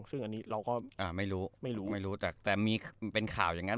ซึ่งอันนี้เราก็ไม่รู้ไม่รู้แต่มีเป็นข่าวอย่างนั้น